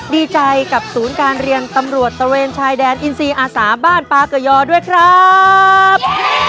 ดีใจกับศูนย์การเรียนตำรวจตระเวนชายแดนอินซีอาสาบ้านปลาเกยอด้วยครับ